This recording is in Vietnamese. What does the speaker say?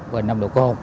và nằm độ cầu